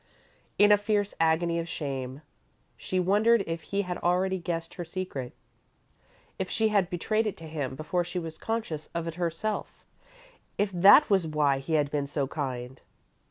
In a fierce agony of shame, she wondered if he had already guessed her secret if she had betrayed it to him before she was conscious of it herself; if that was why he had been so kind.